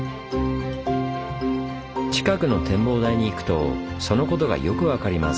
近くの展望台に行くとそのことがよく分かります。